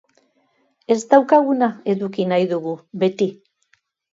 Ez daukaguna eduki nahi dugu, beti.